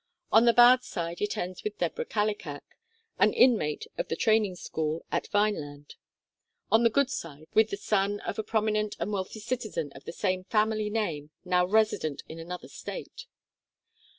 On the bad side it ends with Deborah Kallikak, an inmate of the Train ing School at Vineland, on the good side with the son of a prominent and wealthy citizen of the same family name, now resident of another State.